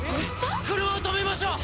車を止めましょう！